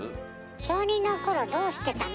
「小２の頃どうしてたの？」